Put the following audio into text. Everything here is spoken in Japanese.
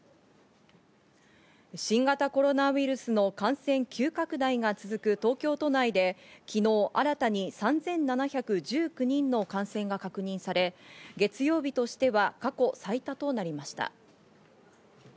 新型コロナウイルスの感染急拡大が続く東京都内で、昨日新たに３７１９人の感染が確認され、月曜日としては過去最多となりました。